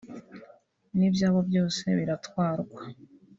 n’ibyabo byose biratwarwa